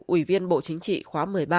ủy viên bộ chính trị khóa một mươi ba